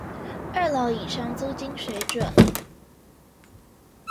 二樓以上租金水準